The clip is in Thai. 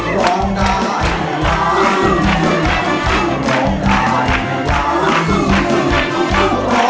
ร้องได้แบบนี้รับแล้วค่ะ